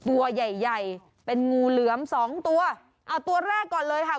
ตัวใหญ่ใหญ่เป็นงูเหลือมสองตัวเอาตัวแรกก่อนเลยค่ะ